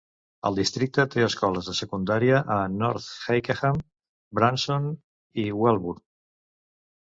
El districte té escoles de secundària a North Hykeham, Branston i Welbourn.